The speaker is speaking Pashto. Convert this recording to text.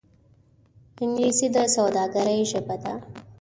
انګلیسي د سوداګرۍ ژبه ده